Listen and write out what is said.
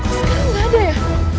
kan gak ada ya